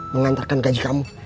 mengantarkan gaji kamu